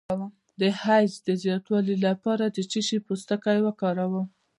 د حیض د زیاتوالي لپاره د څه شي پوستکی وکاروم؟